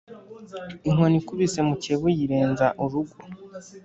Inkoni ikubise Mukeba uyirenza urugo